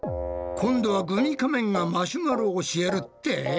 今度はグミ仮面がマシュマロ教えるって？